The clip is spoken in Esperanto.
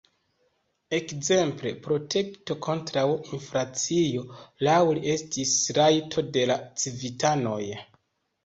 Ekzemple, protekto kontraŭ inflacio laŭ li estis rajto de la civitanoj.